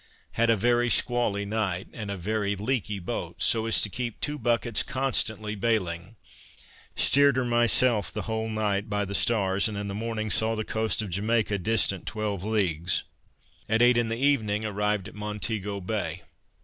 Had a very squally night, and a very leaky boat, so as to keep two buckets constantly bailing. Steered her myself the whole night by the stars, and in the morning saw the coast of Jamaica distant twelve leagues. At eight in the evening arrived at Montego Bay.